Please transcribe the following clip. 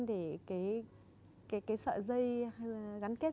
để cái sợi dây gắn kết